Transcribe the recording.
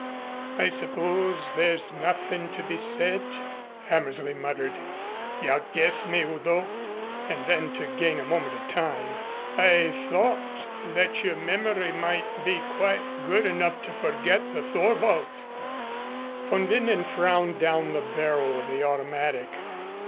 "I suppose there's nothing to be said," Hammersley muttered. "You outguessed me, Udo." And then, to gain a moment of time, "I thought that your memory might be quite good enough to forget the Thorwald." Von Winden frowned down the barrel of the automatic.